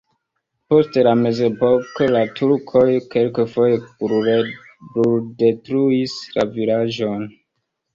Post la mezepoko la turkoj kelkfoje bruldetruis la vilaĝon.